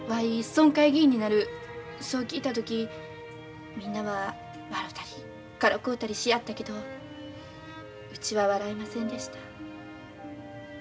村会議員になるそう聞いた時みんなは笑たりからこうたりしやったけどうちは笑えませんでした。